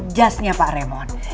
jasnya pak remon